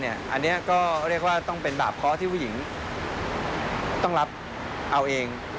อันนี้ก็เรียกว่าต้องเป็นบาปเคาะที่ผู้หญิงต้องรับเอาเอง